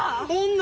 女？